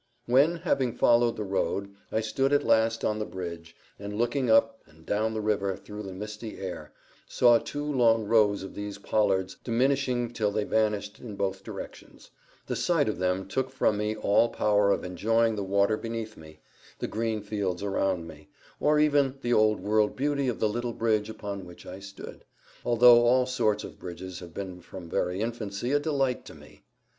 When, having followed the road, I stood at last on the bridge, and, looking up and down the river through the misty air, saw two long rows of these pollards diminishing till they vanished in both directions, the sight of them took from me all power of enjoying the water beneath me, the green fields around me, or even the old world beauty of the little bridge upon which I stood, although all sorts of bridges have been from very infancy a delight to me.